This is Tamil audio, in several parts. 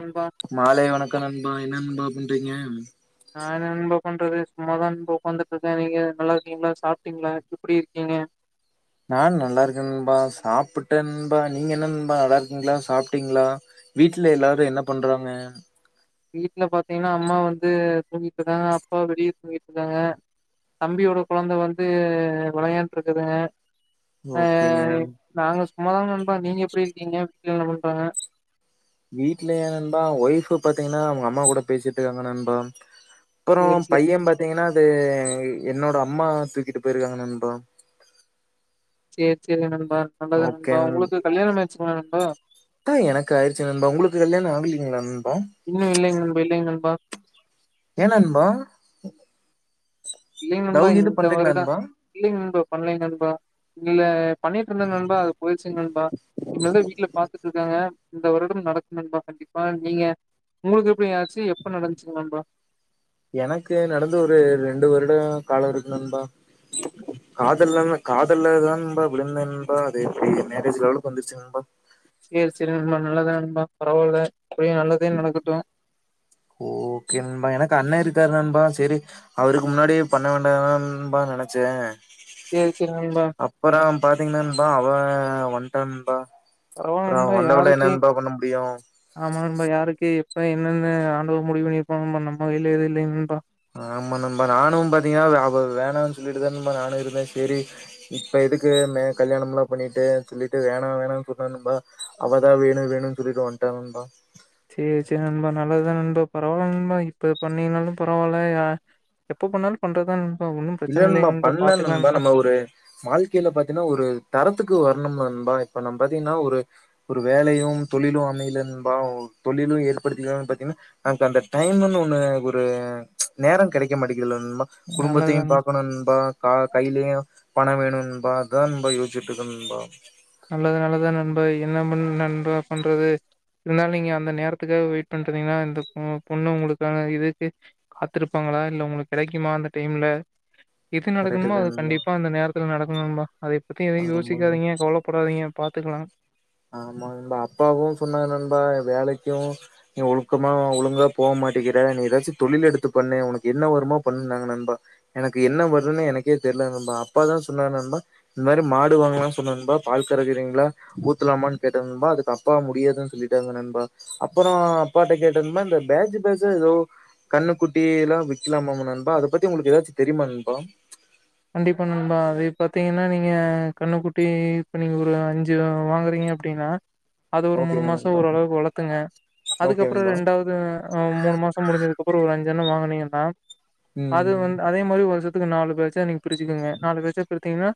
நண்பா மாலைவணக் க்கம் நண்பா என்ன நண்பா பண்றீங்க நான் என் நன்பா பண்றது சும்மாதான் நன்பா உக்காந்துட்டு இருக்கேன் நீங்க நல்லா இருக்கீங்களா சாப்பிட்டீங்களா எப்டி இருக்கீங்க நான் நல்லா இருக்கேன் நண்பா சாப்பிட்டேன் நண்பா நீங்க என்னன்னுபா நல்லா இருக்கீங்களா சாப்பிட்டீங்களா வீட்டுல எல்லாரும் என்ன பண்றாங்க வீட்டுல பாத்தீங்கன்னா அம்மா வந்து தூங்கிட்டு இருந்தாங்க அப்பா வெளியே தூங்கிட்டு இருந்தாங்க தம்பியோட குழந்த வந்து விளையாண்டு இருக்குதுங்க ஓகேங்க வாங்கன் ண்பா நீங்க எப்டி இருக்கீங்க [unintelligible] வீட்லயா நண்பா ஒய்ஃப் பாத்தீங்கன்னா அவங்க அம்மா கூட பேசிட்டு இருக்காங்கன்பா அப்பற சேரி சேரி பைய பாத்தீங்கன்னா அது என்னோட அம்மா தூக்கிட்டு போயிருக்காங்க நன்பா சேரி சேரி ந நல்லது நண்பா உனக்கு கல்யாண ஆயி ம்ப தா எனக்கு ஆயிச்சு நன்பா உங்களுக்கு கல்யாண ஆகலீங்களா நண்பா இன்னு இல்லைங்க நண்பா இல்லைங்க நண்பா ஏனன்பா இல்லங்கண்பா இந்த வருட இல்லங்கண்பா பண்ணலங்கண்பா இல்ல பண்ணிட்டு இருந்த நண்பா அது போயிச்சுங்க நண்பா இனிமே வீட்டுல பாத்துட்டு சொல்லிருக்காங்க இந்த வருடம் நடக்கணு நண்பா கண்டிப்பா நீங்க உங்களுக்கு எப்புடியாச்சு எப்ப நந்துச்சு நண்பா எனக்கு நடந்து ஒரு ரெண்டு வருடம் கால இருக்கனன்பா காதல்ல காதல்லதான்பா விளிந்தேன்பா அதேப்படி மேரேஜ் லவ்ல வந்துச்சுங்கபா சேரி சேரி நண்பா நல்லதா நண்பா பரவால எப்பவு நல்லதே நடக்கட்டு ஓகேபா எனக்கு அண்ண இருக்காருனண்பா சேரி அவருக்கு முன்னாடி பண்ண வேண்டான்பா நெனச்சே சேரி சேரி நண்பா அப்பற பாத்தீங்கனண்பா அவன் வன் டண்பா ஆமா நண்பா யாருக்கு முடியு ஆமா நண்பா யாருக்கு இப்ப என்னென்ன ஆண்டவ முடிவு பண்ணிப்பா நம்ம கைல எது இல்லங் நண்பா ஆமா நண்பா நானு பாத்தீங்கனா அவ வேணா சொல்லிட்டு தானன்பா நானு இருந்தேன் செரி இப்போ எதுக்கு மே கல்யாணம்ல பண்ணிட்டு சொல்லிட்டு வேணா வேணானு சொன்னேன்பா அவதா வேணுவேணு குளிக்க வண்டண்பா சேரி சேரி நண்பா நல்லதுதா நண்பா பரவால்ல நண்பா இப்ப பண்ணீங்களாலு பரவால்ல எப்ப பண்ணாலு பண்றதுதா ந இல்ல நண்பா பண்ணல நண்பா நம்ம ஒரு வாழ்க்கைல பாத்தினா ஒரு தரத்துக்கு வர ணும் நண்பா இப்ப நம்ம பாத்திங்கனா ஒரு வேலையும் தொழிலும் அமையல நண்பா ஒரு தொழிலும் ஏற்படுத்திக்கலாம்னு பாத்திங்கனா நமக்கு அந்த டைம்னு ஒன்னு நேரம் கெடைக்க மாட்டே ங்குது நண்பா நல்லது குடும்பத்தையும் பாக்கணுன்பா கா கையிலயும் பணம் வேணும் நண்பா அதான் நண்பா ரொம்ப யோசுச்சுட்டு இருக்கேன் நண்பா நல்லது நல்லது தான் நண்பை என்ன பண் நண்பா பண்றது இருந்தாலும் நீங்க அந்த நேரத்துக்கு வெயிட் பண்றீங்கன்னா இந்த பொண்ணு உங்களுக்காக இருக்கு காத்துருப்பாங்களா இல்ல உங்களுக்கு கிடைக்குமா அந்த டைம்ல எது கரெக்ட் நடக்கணுமோ அது தான் நண்பா கண்டிப்பா அந்த நேரத்துல நடக்கும் நண்பா அது பத்தி எதயும் ஆமா யோசிக்காதீங்க கவல வையேன் பாத்துக்கலாம் ஆமா நண்பா அப்பாவும் சொன்னாங்க நண்பா வேலைக்கும் நீ ஒழுக்கமா ஒழுங்கா போ மாட்டிகிற நீ ஏதாச்சும் தொழில் எடுத்து பண்ணு உனக் என்ன வருமோ பண்ணுணாங்க நண்பா எனக்கு என்ன வருணும்னு எனக்கே தெரில நண்பா அப்பா தான் சொன்னாங்க நண்பா இந்த மாரி மாடு வாங்கலாம் சொன்னாங்க பால் கரக்குறீங்களா வித்துல்லாமாணு கேட்டேன் நண்பா அதுக்கு அப்பா முடியாதுனு சொல்லிட்டாங்க நண்பா அப்பறம் அப்பாட்ட கேட்டிருந்தேன் இந்த பேஜ் பேஜ் ஏதோ கண்ணு குட்டி எல்லாம் விற்கலாமா நண்பா அத பத்தி உங்களுக்கு எதாச்சும் தெரியுமா நண்பா கண்டிப்பா நண்பா அதைய பாத்தீங்கன்னா நீங்க கண்ணுக்குட்டி இப்ப நீங்க ஒரு அஞ்சு வாங்குறீங்க அப்படின்னா அது ஒரு மூணு ஓகேங்க மாசம் நண்பா ஓரளவுக்கு வளர்த்துங்க ஓகே அதுக்கப்புறம் நண்பா ரெண்டாவது் மூணு மாசம் முடிஞ்சதுக்கு அப்புறம் ஒரு அஞ் என்ன வாங்கனீங்கன்னா அது ம் வந்து அதே மாரி ஒ இதுல நாலு பேஜ்ஜா நீங்க பிரிச்சுக்குங்க நாலு பேஜ்ஜா பிரிச்சிங்கனா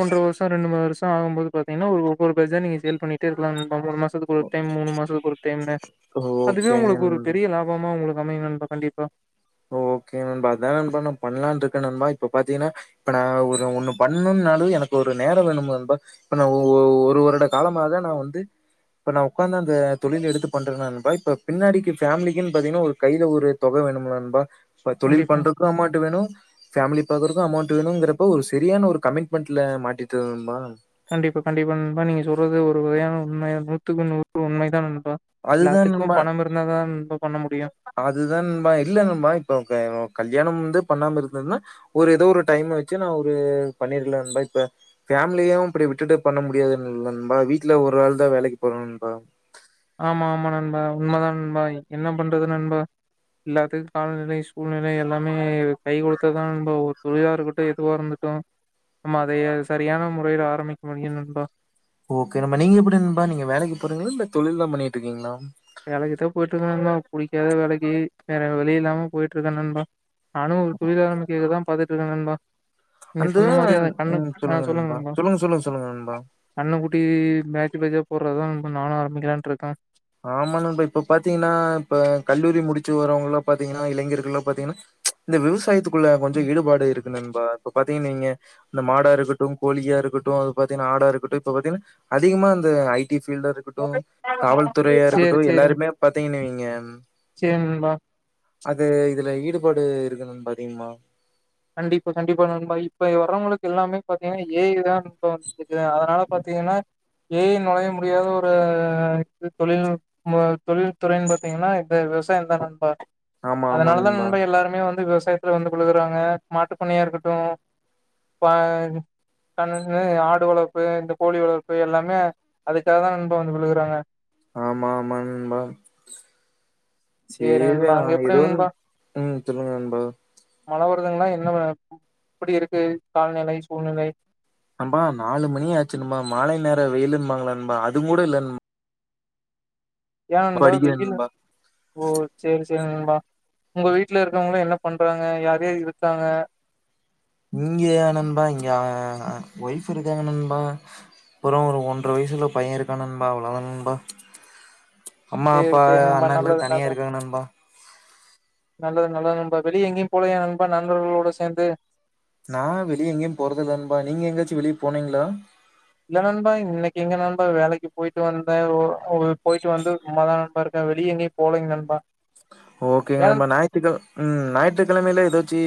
ஒன்றரை வருஷம் ரெண்டு மூணு வருஷம் ஆகும் போது பாத்திங்கனா ஒவ்வொரு பேஜ் ஆ நீங்க சேல் பண்ணிட்டே இருக்கலாம் ஒவ்வொரு மாசத்துக்கு ஒரு டைம் மூணு மாசத்துக்கு ஒரு டைம்னு அதுவே ஓகேங்க உங்களுக்கு ஒரு நண்பா பெரிய லாபமா உங்களுக்கு அமையும் நண்பா கண்டிப்பா ஓகே நண்பா அதான் நண்பா நான் பண்லாம்ருக்கேன் நண்பா இப்ப பாத்தீங்கன்னா இப்ப நான் ஒரு ஒண்ணு பண்ணும்னாலே எனக்கு ஒரு நேரம் வேணும் நண்பா இப்ப நான் ஒரு வருட காலமாக நான் வந்து இப்ப நான் உட்காந்து அந்த தொழில் எடுத்து பண்றேன்னா நண்பா இப்ப பின்னாடிக்கு ஃபேமிலிக்குன்னு பாத்தீங்கன்னா ஒரு கையில ஒரு தொகை வேணும்ல நண் பா இப்ப தொழில் கண்டிப்பா பண்றக்கு அமொண்ட்டு வேணும் ஃபேமிலி பாக்கர்கும் அமௌண்ட் வேணுங்கிறப்ப ஒரு சரியான ஒரு கமிட்மெண்ட்ல மாட்டிட்டேன் நண்பா கண்டிப்பா கண்டிப்பா நண்பா நீங்க சொல்றது ஒரு வகையான உண்மை நூத்துக்கு நூறு உண்மைதான் நண் பா அதுதான் நண்பா எல்லாத்துக்கும் பணம் இருந்த தான் நண்பா பண்ண மு அதுதான் நண்பா இல்லநண்பா இப்ப க கல்யாணம் வந்து பண்ணாம இருந்துருந்த ஒரு ஏதோ ஒரு டைம் வச்சு நான் ஒரு பண்ணிடலான்பா இப்ப ஃபேமிலியையும் இப்படி விட்டுட்டு பண்ண முடியாதுன்னு இல்ல நண்பா வீட்டுல ஒரு ஆள் தான் வேலைக்கு போறோம் நண்பா ஆமா ஆமா நண்பா உண்மைதான் நண்பா என்ன பண்றது நண்பா எல்லாத்துக்கும் கால நிலை சூழ் நிலை எல்லாமே கை கொடுத்ததான் நண்பா ஒரு தொழிலா இருக்கட்டும் எதுவா இருந்துட்டோம் ஆமா அதைய சரியான முறையில ஆரம்பிக்க முடியும் நண்பா ஓகே நம்ம நீங்க எப்படி நண்பா நீங்க வேலைக்கு போறீங்களா இல்ல தொழில் தான் பண்ணிட்டு இருக்கீங்களா வேலைக்குதான் போயிட்ருக்கேன் நண்பா புடிக்காத வேலைக்கு வேற வலி இல்லாம போயிட்ருக்கேன் நண்பா நானும் ஒரு தொழிலா நமக்கு இது தான் பாத்து இல்ல நண்பா நீங்க அந்த சொன்ன மாரி அந்த கண்ணு ம் ஆஹ் சொல்லுங்க நண்பா சொல்லுங்க சொல்லுங்க நண்பா கண்ணுக்குட்டி பேஜ் பேட்ஜா போடுறதுதான் நண்பா நானும் ஆரம்பிக்கலான்ருக்கேன் ஆமா நண்பா இப்ப பாத்தீங்கன்னா இப்ப கல்லூரி முடிச்சு வரவங்கலாம் பாத்தீங்கன்னா இளைஞர்கள்ளா பாத்தீங்கன்னா இந்த விவசாயத்துக்கு குள்ள கொஞ்ச ஈடுபாடு இருக்கு நண்பா இப்ப பாத் நீங்க இந்த மாடா இருக்கட்டும் கோழியா இருக்கட்டும் அது பாத்தீங்கணா ஆடா இருக்கட்டும் இப்ப பாத்தீங்கன்னா அதிகமா இந்த ஐ டி ஃபீல்டு இருக்கட்டும் காவல் துறையா சேரி இருக்கட்டும் சேரி எல்லாருமே பாத்தீங்கன் வைங்க சேரி நண்பா அது இதுல ஈடுபாடு இருக்கணும்ன்னு பாத்தீங்கமா கண்டிப்பா கண்டிப்பா நண்பா இப்ப வர்றவங்களுக்கு எல்லாமே பாத்தீங்கன்னா ஏ ஐ தான் நண்பா வந்துக்குது அதனால பாத்தீங்கன்னா ஏ ஐ நொழைய முடியாத ஒரு தொழில் தொழில் துறைன்னு பாார்த்தீங்கன்னா இந்த விவசாயம் தான் நண்பா ஆமா, ஆமா அதனால தான் நண்பா எல்லாருமே வந்து விவச யத்துல வந்து விழுகுறாங்க மாட்டுப்பண்ணையா இருக்கட்டும் கண் ஆடு வளர்ப்பு இந்த கோழி வளர்ப்பு எல்லாமே அதுக்காக தான் நன்பா வந்து விழுகறாங்க ஆமாமா நண்பா சேரி நண்பா அங்க எப்டி ஏதோ ஒண்ணு நண்பா உம் சொல்லுங்க நண்பா மழ வருதுங்கலா என்ன எப்படி இருக்கு காலநிலை சூழ்நிலை நண்பா நாலு மணியாச்சு நண்பா மாலை நேரம் வெயிலும்பாங்க நண்பா அதுவும் கூட இல்லன் யா நண்பா வெயில் நண்பா. ஓ சேரி சேரிநண்பா உங்க வீட்டுல இருக்கவங்கள என்ன பண்றாங்க யார் யாரு இருக்காங்க இங்கயா நண்பா இங்க ஒய்ஃப் இருக்காங்க நண்பா அப்புறம் ஒரு ஒன்ற வயசுல பையன் இருக்கான்நண்பா அவ்வளோதா நண்பா அம்மா சேரி அப்பா சேரி நண்பா அண்ணா எல்லாம் நல்லது தனியா நல்லது இருக்காங்க நண்பா நல்லது நல்லது நண்பா வெளியே எங்கேயும் போலயா நண்பா நண்பர்களோட சேர்ந்து நான் வெளியே எங்கேயும் போறதுல்லல நண்பா நீங்க எங்கயாச்சும் வெளியே போனீங்களா இல்ல நண்பா இன்னைக்கு எங்க நண்பா வேலைக்கு போயிட்டு வந்தன் போயிட்டு வந்து சும்மாதான் நண்பா இருக்கேன் வெளியே எங்கேயும் போலிங்க நண்பா ஓகேங்க ஏ நண்பா ஞாயிற்று உம் ஞாயிற்றுக்கிழமையில ஏதாச்சு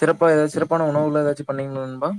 சிறப்பா ஏதாவது சிறப்பான உணவுல ஏதாச்சும் பண்ணீங்களா நண்பா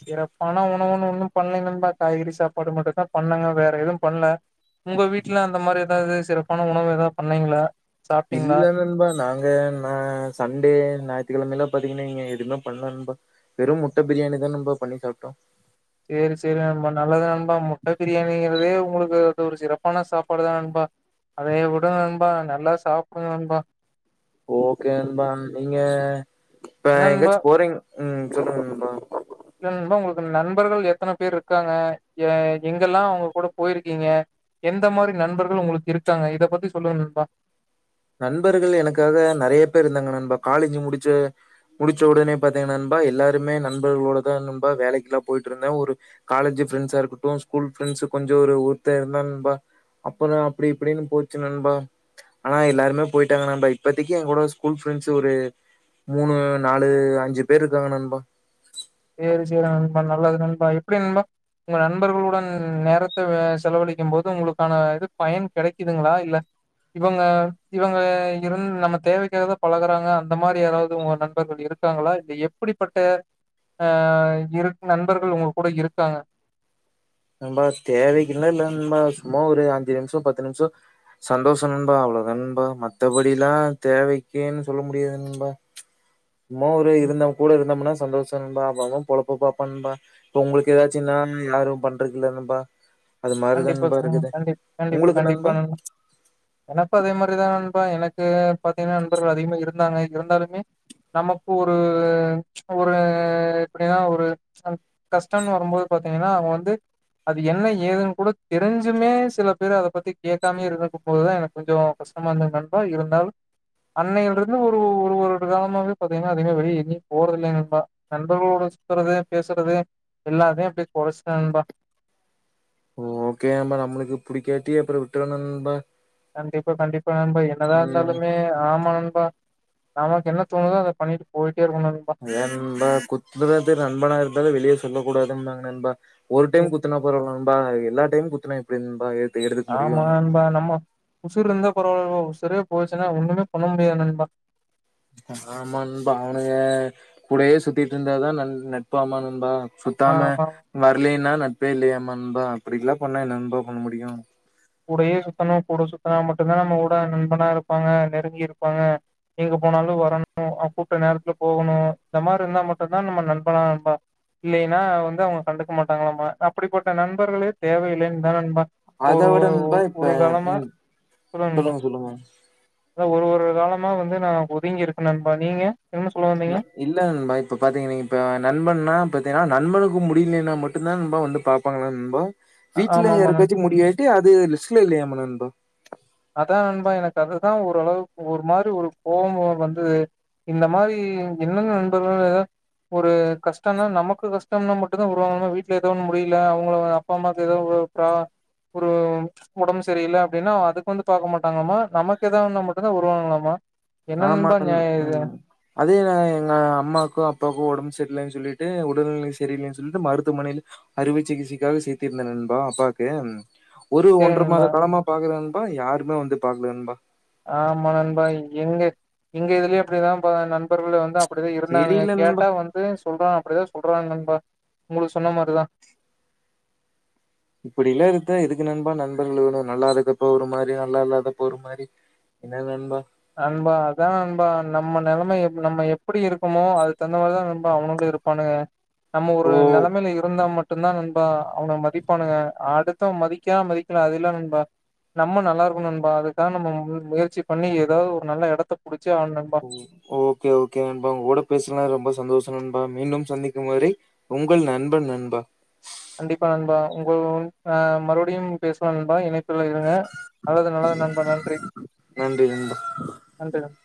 சிறப்பான உணவுன்னு ஒன்னும் பண்ணலைங்க நண்பா காய்கறி சாப்பாடு மட்டும் தான் பண்ணுங்க வேற எதுவும் பண்ணல உங்க வீட்டுல அந்த மாரி ஏதாவது சிறப்பான உணவு ஏதாவது பண்ணிங்களா இல்ல நண்பா நாங்க ங்க நா சண்டே ஞாயிற்றுக்கிழமல்லாம் பாத்தீங்கன்னா நீங்க எதுவுமே பண்ணலாம் வெறும் முட்ட பிரியாணி தான் நண்பா பண்ணி சாப்ட்டோம் சேரி சேரி நண்பா நல்லதான் நண்பா முட்ட பிரியாணிங்கிறதே உங்களுக்கு அது ஒரு சிறப்பான சாப்பாடுதான் நண்பா அதைய விட நண்பா நல்லா சாப்படு நண்பா ஓகேநண்பா நீங்க இப்ப என்ன நண்பா எங்கயாச்சும் போறீங் உம் சொல்லுங்க நண்பா இல்லநண்பா உங்களுக்கு நண்பர்கள் எத்தன பேர் இருக்காங்க எங்கெல்லாம் அவங்க கூட போயிருக்கீங்க எந்த மாரி நண்பர்கள் உங்களுக்கு இருக்காங்க இத பத்தி சொல்லுங்க நண்பா நண்பர்கள் எனக்காக நெறைய பேர் இருந்தாங்க நண்பா காலேஜ் முடிச்ச முடிச்ச உடனே பா்த்தீங்க நண்பா எல்லாருமே நண்பர்களோடதான் நண்பா வேலைக்குல்லாம் போயிட்டு இருந்தேன் ஒரு காலேஜ் ஃப்ரெண்ட்ஸா இருக்கட்டும் ஸ்கூல் ஃரெண்ட்ஸ் கொஞ்சம் ஒருஊத்த இருந்தா நண்பா அப்புறம் அப்படி இப்படின்னு போச்சு நண்பா ஆனா எல்லாருமே போயிட்டாங்க நண்பா இப்பதி என் கூட ஸ்கூல் ஃப்ரெண்ட்ஸ் ஒரு மூணு நாலு அஞ்சு பேர் இருக்காங்க நண்பா சேரி சேரி நண்பா நல்லது நண்பா எப்படி நண்பா உங்க நண்பர்களுடன் நேரத்த செலவழிக்கும் போது உங்களுக்கான இது பயன் கிடைக்குதுங்களா இல்ல இவங்க இவங்க இருந்து நம்ம தேவைக்காத பழகுறாங்க அந்த மாரி யாராவது உங்க நண்பர்கள் இருக்காங்களா இல்ல எப்படிப்பட்ட அஹ இரு நண்பர்கள் உங்க கூட இருக்காங்க நன்பா தேவைக்குல இல்லநன்பா சும்மா ஒரு அஞ்சு நிமிஷம் பத்து நிமிஷம் சந்தோஷம்நன்பா அவ்வளோணபா மத்தபடி எல்லாம் தேவைக்குன்னு சொல்ல முடியாதுநன்பா சும ஒரு இருந்தம் கூட இருந்தம்னா சந்தோஷம்பா பொழப்ப பாப்பான்பா இப்ப உங்களுக்கு ஏதாச்சும்னா யாரும் ப இருக்கல நன்பா கண்டிப்பா கண்டி கண்டிப்பா நண்பா கண்டிப்பானப்பா எனக்கு அதே மாரிதான்பா ப்ப எனக்கு பா்த்தீங்கன்னா நண்பர்கள் அதிகமா இருந்தாங்க இருந்தாலுமே நமக்கு ஒரு ஒரு எப்படின்னா ஒரு கஷ்டம்னு வரும்போது பாார்த்தீங்கன்னா அவங்க வந்து அது என்ன ஏதுன்னு கு கூட தெரிஞ்சுமே சில பேர் அதை பத்தி கேட்காமே இருந்தக்கும் போதுதான் எனக்கு கொஞ்சம் கஷ்டமா இருந்தங்க நண்பா இருந்தும் அன்னையில இருந்து ஒரு ஒரு காலமாவே பாார்த்தீங்கன்னா அதகம வெளியே இ நீ போறத இல்லை நண்பா நண்பர்களோட சுத்துறது பேசுறது எல்லாத்தையும் அப்படிய குறைச்சிடேண்பா ஓகே என் நம்ளுக்கு புடிக்காட்டி அப்புற விட்டுடனு நன்பா கண்டிப்பா கண்டிப்பா நம்ப என்னதா ம் இருந்தாலுமே ஆமண் பா நமக்கு என்ன தோணுதோ அதை பண்ணிட்டு போயிட்டு என்ந்த குத்துனது நண்பனா இருந்தாலும் வெளியே சொல்லக்கூடாதுங்கபா ஒரு டைம் குத்துனா பரவால்லம் நன்பா எல்ல டைம் குத்துனா இப்படி நன்பா ஆமா நன்பா நம் உசூர்று இறுந்தா பொரளவு சிற போச்சுன்னா ஒண்ணுமே பண்ண முடியா நண்பா ஆமாபா அவனுங்க கூடயே சுத்திட்டு இருந்தா தான் நட்பா ஆமானண்பா ஆ சுத்தாம ஆமா வரலன்னா இப்ப இல்லையமா நன்பா அப்படில்லாம் போண்ணா என்ன நன்பா பண்ண முடியும் கூடையே சுத்தணும் கூட சுத்தனா மட்டும்தான் நம்ம உட நண்பனா இருப்பாங்க நெருங்கி இருப்பாங்க எங்க போனாலும் வரணும் அவ கூப்பிட்ட நேரத்துல போகணும் இந்த மாதிரி இருந்தா மட்டும்தான் நம்ம நண்பனா நண்பா இல்லைன்னா வந்து அவங்க கண்டுக்க மாட்டாங்களாமா அப்படிப்பட்ட நண்பர்களே தேவையில்லைன்னு தான் நண்பா அத ஒரு உட ஒ தான் இப்ப ஒரு காலமா உம் சொல்லுங்க சொல்லுங்க அத ஒரு ஒரு காலமா வந்து நான் ஒதுங்கி இருக்கனேன்பா நீங்க என்ன சொல்ல வந்தீங்க இல்ல நண்பா இப்ப பாத்தீங்கன்னீங்க இப்ப நண்பன்னா பாத்தீங்கன்னா நண்பனுக்கு முடியலன்னா மட்டும் தான் ரொம்ப வந்து பார்ப்பாங்களா நபா ஆ- வீடல ஆமா ஆமா நண் இறக்கது முடியாது அது லஸ்டல இல்ல ஏமனந்த அதான் நண்பா எனக்கு அதுதான் ஓரளவுக்கு ஒரு மாதிரி ஒரு கோபம் வந்தது இந்த மாதிரி என்னென்ன நண்பர்கள் ஏதது ஒரு கஷ்டம்னா நமக்கு கஷ்டம்னா மட்டுும் தான் வருவாங்கன்னா வீட்டுல ஏதோ ஒன்னு முடியல அவங்கள அப்பா அம்மாவுக்கு ஏதோ ப ஒரு உடம்பு சரியல அப்படின்னா அதுக்கு வந்து பாக்க மாட்டாங்கம்மா நமக்கு ஏதாவதுந்தா மட்டும்தான் வருவாங்களலாமா ஆமா என்னன்னபா நண் நியாயம் இது ம் அதே நான் எங்க அம்மாக்கும் அப்பாக்கும் உடம்பு சரியில்லைன்னு சொல்லிட்டு உடல்நிலை சரியில்லலைன்னு சொல்லிட்டு மருத்துவமனையில் அறுவை சிகிச்சைக்காக சே்த்திருந்தேன்ணபா அப்பாவுக்கு ஒரு சரி ஒன்று மாத நண்பா காலமா பாக்கற அப்ப யாருமே வந்து பாலபா ஆமா நண்பா எங்க எங்க இதுலயே அப்படிதான் நண்பர்கள வந்து அப்படிான் இருந்தானுங்க தெரில நண்பா கேட்டா வந்து சொல்றான் அப்படிதான் சொல்றாங்க உங்களுக்கு சொன்ன மாதிரிதான் இப்படி இல்ல இருத்த எதுக்கு நண்பா நண்பர்கள் வேணும் நல்லா இருக்கப்ப ஒரு மாதிரி நல்லா இல்லாதப்ப ஒரு மாதிரி என்னன்ன நண்பா அன்பா அதான நண்பா நம்ம நிலைமை நம்ம எப்படி இருக்குமோ அது தகுந்த மாதிரிதான் நண்பா அவனுள்ள இருப்பானுங்க நம்ம ஒரு ஓ நிலைமையில இருந்தா மட்டும் ம தான் நண்பா அவனை மதிப்பானு அடுத்த மதிக்க மதிக்கல அல்லாம் நண்பா நம்ம நல்லா இருக்கும் நண்பா அதுக்க நம்ம முயற்சி பண்ணி அதாவது ஒரு நல்ல இடத்தை ப புடி ஓகே ஓகே உங்க கூட பேசல ரொம்ப சந்தோஷம் நண்பா மீண்டும் சந்திக்கும் வரை உங்கள் நண்பன் நண்பா கண்டிப்பா நண்பா உங்கஹ் மறுபடியும் பேசலாம் நண்பா இணைப்புல இருங்க நல்லது நல்லது நண்பா நன்றி நன்றி நண்பா நன்றி நன்றி